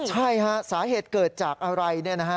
ใช่ฮะสาเหตุเกิดจากอะไร